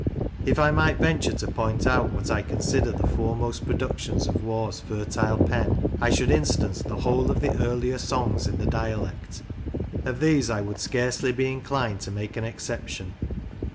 If I might venture to point out what I consider the fore most productions of Waugh's fertile pen, I should instance the whole of the earlier songs in the dialect ; of these I would scarcely be inclined to make an exception.